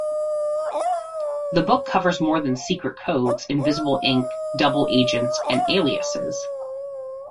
The book covers more than secret codes, invisible ink, double agents, and aliases.